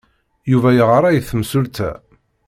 Yuba yeɣra i temsulta.